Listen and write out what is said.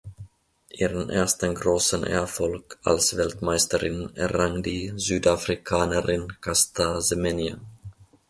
Ihren ersten großen Erfolg als Weltmeisterin errang die Südafrikanerin Caster Semenya.